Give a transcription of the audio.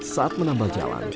saat menampal jalan